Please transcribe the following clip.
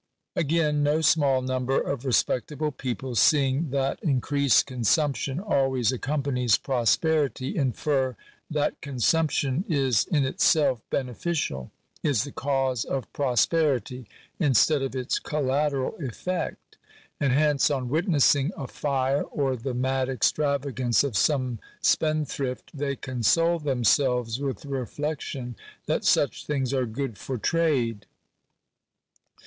Again ; no small number of respectable people seeing that increased consumption always accompanies prosperity, infer that consumption is in itself beneficial — is the cause of pros perity, instead of its collateral effect; and hence, on witnessing a fire, or the mad extravagance of some spendthrift, they console themselves with the reflection that such things are " good for Digitized by VjOOQIC 234 THE CONSTITUTION OF THE 8TATE. trade."